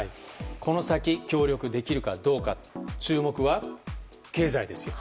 この先、協力できるかどうか注目は経済ですよ。